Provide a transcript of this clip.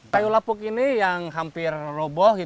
kayu lapuk ini yang hampir roboh